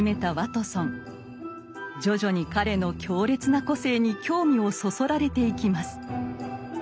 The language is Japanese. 徐々に彼の強烈な個性に興味をそそられていきます。